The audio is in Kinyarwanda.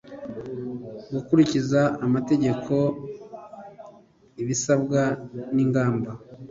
Gukurikiza amategeko ibisabwa n ingamba